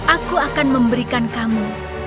aku akan memberikan kamu